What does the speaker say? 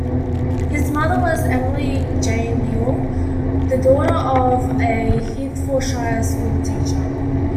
His mother was Emily Jane Hill, the daughter of a Hertfordshire school teacher.